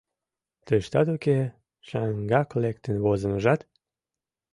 «Тыштат уке, шаҥгак лектын возын, ужат?